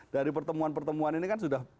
dari pertemuan pertemuan ini kan sudah